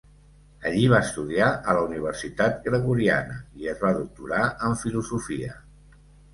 Allí va estudiar a la Universitat Gregoriana i es va doctorar en filosofia.